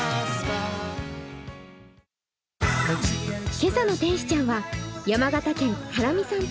今朝の天使ちゃんは山形県はらみさん家。